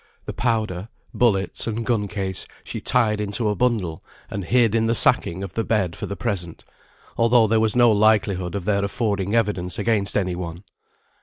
The powder, bullets, and gun case, she tied into a bundle, and hid in the sacking of the bed for the present, although there was no likelihood of their affording evidence against any one.